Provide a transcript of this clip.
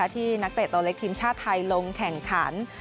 ที่นักเตะตัวเล็กทีมชาติไทยลงแข่งขัน